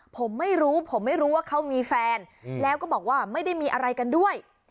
ผมไม่รู้ผมไม่รู้ว่าเขามีแฟนแล้วก็บอกว่าไม่ได้มีอะไรกันด้วย